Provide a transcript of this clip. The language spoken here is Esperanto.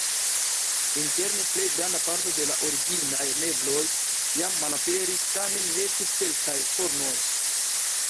Interne plej granda parto de la originaj mebloj jam malaperis, tamen restis kelkaj fornoj.